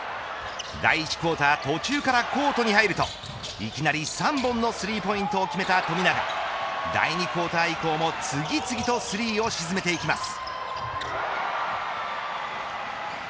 第１クオーター途中からコートに入るといきなり３本のスリーポイントを決めた富永第２クオーター以降も次々とスリーを沈めていきます。